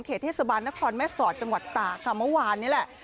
เทศบาลนครแม่สอดจังหวัดตากค่ะเมื่อวานนี้แหละ